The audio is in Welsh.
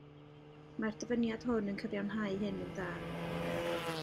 Mae'r dyfyniad hwn yn cyfiawnhau hyn yn dda.